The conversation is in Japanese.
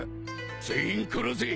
全員殺せ！